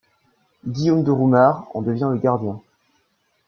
Guillaume de Roumare en devient le gardien.